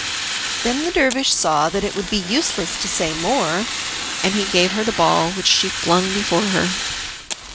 Then the dervish said that it was useless to say more, and he gave her the ball, which she flung before her.